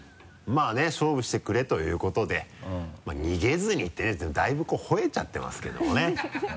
まぁね勝負してくれということで「逃げずに」ってねだいぶこうほえちゃってますけどもね。